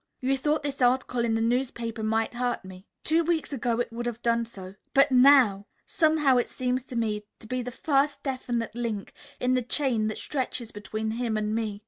You thought this article in the newspaper might hurt me. Two weeks ago it would have done so. But now! Somehow it seems to me to be the first definite link in the chain that stretches between him and me.